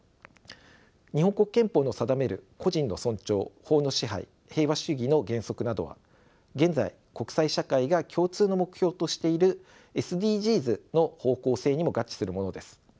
日本国憲法の定める個人の尊重法の支配平和主義の原則などは現在国際社会が共通の目標としているＳＤＧｓの方向性にも合致するものです。